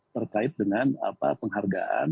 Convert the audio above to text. terkait dengan apa pengkandalan